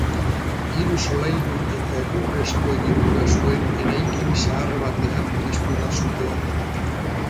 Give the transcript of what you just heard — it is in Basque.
Hiru solairu eta egurrezko egitura zuen eraikin zahar batean piztu da sutea.